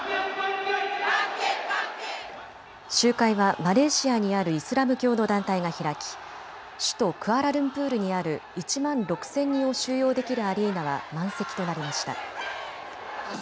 集会はマレーシアにあるイスラム教の団体が開き首都クアラルンプールにある１万６０００人を収容できるアリーナは満席となりました。